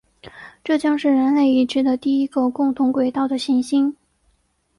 这将是人类已知的第一个共同轨道的行星。